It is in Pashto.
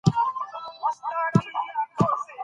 خلک بايد د هرې خبرې ثبوت وغواړي.